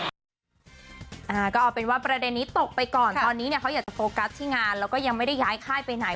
ก็เป็นว่าประเด็นนี้ตกไปก่อนตอนนี้เนี่ยเขาอยากจะโฟกัสที่งานแล้วก็ยังไม่ได้ย้ายค่ายไปไหน